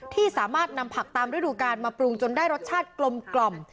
ที่สามารถนำผักตามฤดูกาลมาปรุงจนได้รสชาติกลม